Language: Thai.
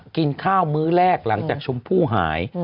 กินข้าวมื้อแรกหลังจากชมพู่หาย